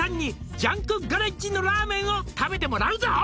「ジャンクガレッジのラーメンを食べてもらうぞ」